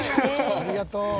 「ありがとう！」